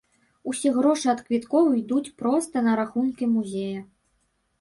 Усе грошы ад квіткоў ідуць проста на рахункі музея.